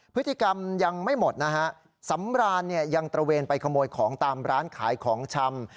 พฤติกรรมยังไม่หมดนะฮะสำรานเนี่ยยังตระเวนไปขโมยของตามร้านขายของชำ